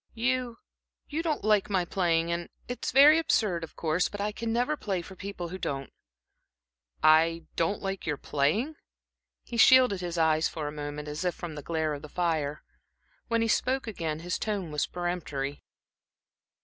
You you don't like my playing, and it's very absurd, of course, but I never can play for people who don't." "I don't like your playing?" He shielded his eyes for a moment, as if from the glare of the fire. When he spoke again his tone was peremptory.